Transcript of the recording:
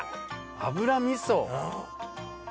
油みそ。